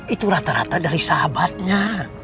itu rata rata dari sahabatnya